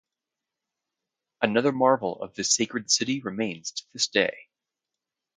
Another marvel of the Sacred City remains to this day.